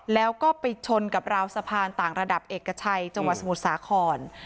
แล้วก็ไปชนกับราวสะพานต่างระดับเอกชัยจังหวัดสมุทรสาคร